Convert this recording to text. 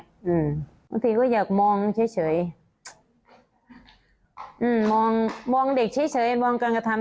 บางทีก็อยากมองเฉยเฉยอืมมองมองเด็กเฉยเฉยมองการกระทำ